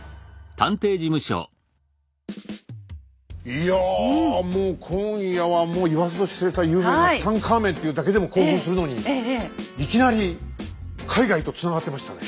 いやもう今夜は言わずと知れた有名なツタンカーメンっていうだけでも興奮するのにいきなり海外とつながってましたね。